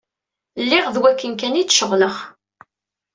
Lliɣ d wakken kan i d-ceɣleɣ.